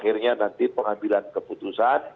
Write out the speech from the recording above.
akhirnya nanti pengambilan keputusan